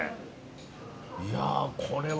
いやこれは驚く。